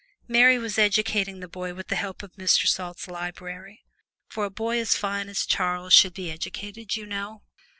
Mary was educating the boy with the help of Mr. Salt's library, for a boy as fine as Charles must be educated, you know.